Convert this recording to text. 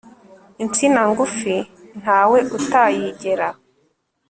insina ngufi ntawe utayigera